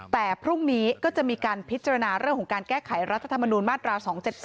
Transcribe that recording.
แต่พรุ่งนี้ก็จะมีการพิจารณาเรื่องของการแก้ไขรัฐธรรมนูญมาตรา๒๗๒